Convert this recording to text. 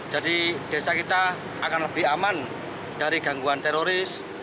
jadi desa kita akan lebih aman dari gangguan teroris